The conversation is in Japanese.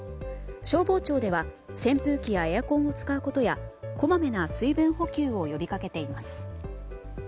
消防庁では扇風機やエアコンを使うことやこまめな水分補給を呼び掛けています。